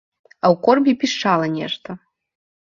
А ў корбе пішчала нешта.